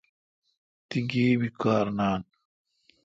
تی گیب کار نان